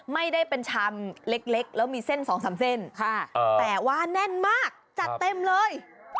ไม่ได้เป็นชามเล็กแล้วมีเส้นสองสามเส้นแต่ว่าแน่นมากจัดเต็มเลย